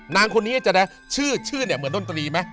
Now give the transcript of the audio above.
นางคนนี้จะได้ชื่อเฉ่นดนตรีมั้ย